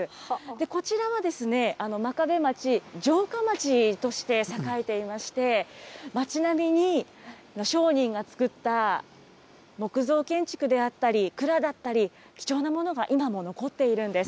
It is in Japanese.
こちらはですね、真壁町、城下町として栄えていまして、町並みに商人の造った木造建築であったり、蔵だったり、貴重なものが今も残っているんです。